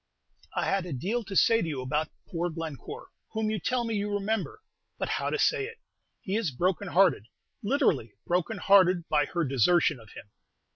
I had a deal to say to you about poor Glencore, whom you tell me you remember; but, how to say it? He is broken hearted literally broken hearted by her desertion of him.